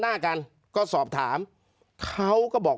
เจ้าหน้าที่แรงงานของไต้หวันบอก